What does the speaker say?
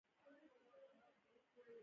دوی دې د بخارا په اړه هم معلومات ترلاسه کړي.